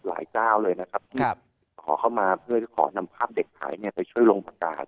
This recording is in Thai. เจ้าเลยนะครับที่ขอเข้ามาเพื่อขอนำภาพเด็กหายไปช่วยลงประกาศ